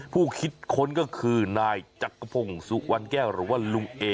ผู้คิดค้นก็คือนายจักรพงศ์สุวรรณแก้วหรือว่าลุงเอ